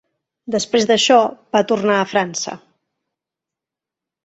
Després d'això va tornar a França.